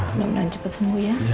mudah mudahan cepat sembuh ya